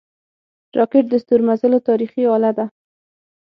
راکټ د ستورمزلو تاریخي اله ده